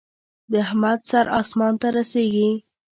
د احمد سر اسمان ته رسېږي.